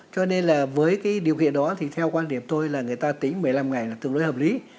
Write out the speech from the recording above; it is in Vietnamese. cho nên là với cái điều kiện đó thì theo quan điểm tôi là người ta tính một mươi năm ngày là tương đối hợp lý